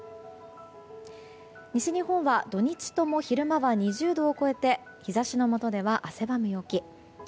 西日本は土日とも昼間は２０度を超えて日差しのもとでは汗ばむ陽気。